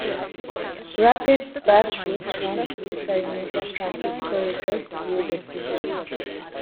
Rapid bus routes run through five major transit corridors through the city.